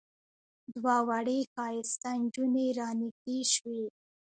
دوه وړې ښایسته نجونې را نږدې شوې.